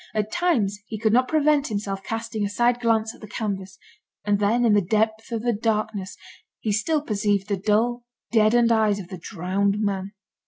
At times, he could not prevent himself casting a side glance at the canvas; and, then, in the depth of the darkness, he still perceived the dull, deadened eyes of the drowned man.